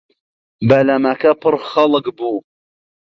بەلەمەکە پڕ خەڵک بوو.